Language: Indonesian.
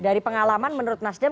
dari pengalaman menurut nasdem